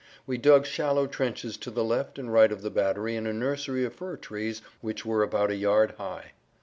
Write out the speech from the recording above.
We dug shallow trenches to the left and right of the battery in a nursery of fir trees which were about a yard high.